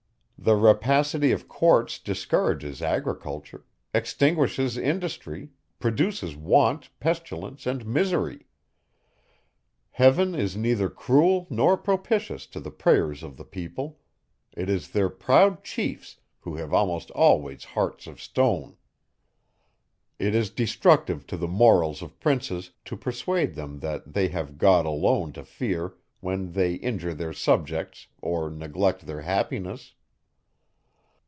The rapacity of Courts discourages agriculture, extinguishes industry, produces want, pestilence and misery. Heaven is neither cruel nor propitious to the prayers of the people; it is their proud chiefs, who have almost always hearts of stone. It is destructive to the morals of princes, to persuade them that they have God alone to fear, when they injure their subjects, or neglect their happiness.